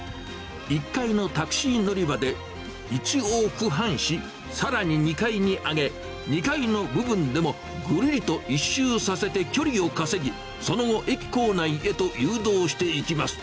１階のタクシー乗り場で１往復半し、さらに２階に上げ、２階の部分でもぐるりと１周させ、距離を稼ぎ、その後、駅構内へと誘導していきます。